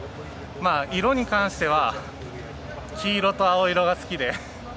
色に関しては黄色と青色が好きで。